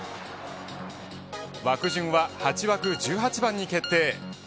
枠順は８枠１８番に決定。